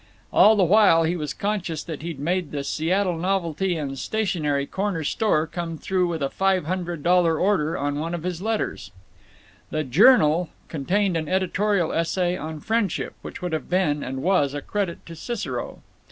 All the while he was conscious that he'd made the Seattle Novelty and Stationery Corner Store come through with a five hundred dollar order on one of his letters. The Journal contained an editorial essay on "Friendship" which would have been, and was, a credit to Cicero.